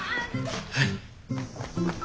はい。